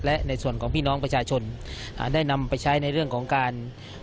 และในส่วนของพี่น้องประชาชนอ่าได้นำไปใช้ในเรื่องของการ